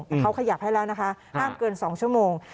แต่เขาขยับให้แล้วนะคะห้ามเกิน๒ชั่วโมง